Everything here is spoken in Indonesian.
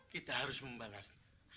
kita harus membalas